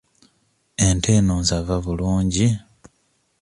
Ente eno nsava bulungi.